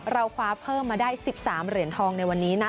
เราคว้าเพิ่มมาได้๑๓เหรียญทองในวันนี้นะ